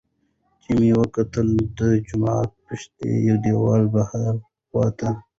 چې مې وکتل د جومات پشتۍ دېوال بهر خوا ته